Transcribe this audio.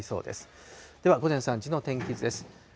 では、午前３時の天気図です。